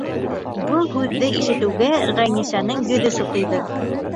Был һүҙҙе ишетеүгә, Ғәйнисәнең йөҙө сытыйҙы.